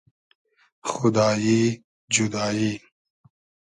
خودایی جودایی